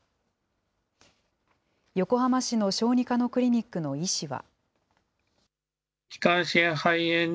横浜市の小児科のクリニックの医師は。